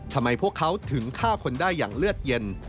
ทำไมพวกเขาถึงฆ่าคนได้อย่างเลือดเย็น